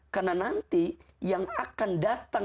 karena nanti yang akan datang